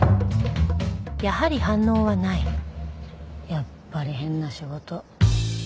やっぱり変な仕事。